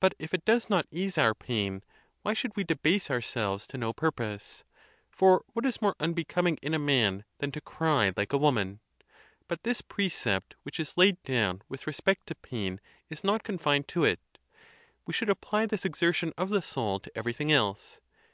But if it does not ease our pain, why should we debase ourselves to no purpose? For what is more unbecoming in a man than to cry like a woman? But this precept which is laid down with re spect to pain is not confined to it. We should apply this exertion of the soul to everything else.